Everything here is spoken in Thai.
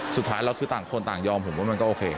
สุดท้ายแล้วคือต่างคนต่างยอมผมว่ามันก็โอเค